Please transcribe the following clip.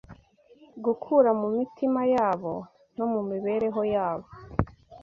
gukura mu mitima yabo no mu mibereho yabo